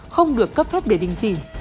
không được cấp phép để đình chỉ